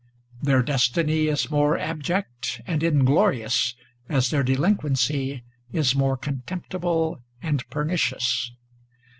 Their destiny is more abject and inglorious as their delinquency is more contemptible and pernicious.